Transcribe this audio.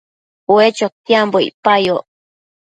Ue chotiambo icpayoc